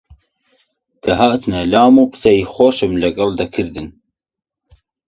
دەهاتنە لام و قسەی خۆشم لەگەڵ دەکردن